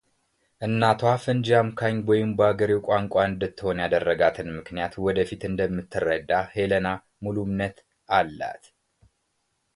እናቷ ፈንጂ አምካኝ ወይም በአገሬው ቋንቋ እንድትሆን ያደረጋትን ምክንያት ወደፊት እንደምትረዳ ሄለና ሙሉ እምነት አላት።